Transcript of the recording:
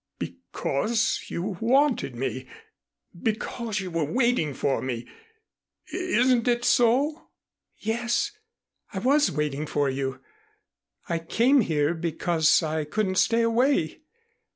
"Because you wanted me, because you were waiting for me. Isn't it so?" "Yes, I was waiting for you. I came here because I couldn't stay away.